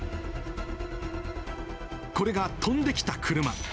これが飛んできた車。